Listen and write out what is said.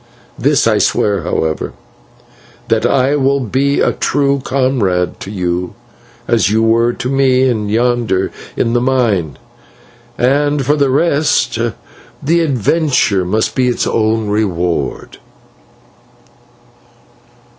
This I swear, however, that I will be a true comrade to you, as you were to me yonder in the mine, and for the rest, the adventure must be its own reward."